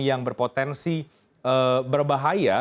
yang berpotensi berbahaya